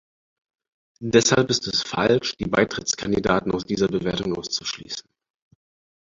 Deshalb ist es falsch, die Beitrittskandidaten aus dieser Bewertung auszuschließen.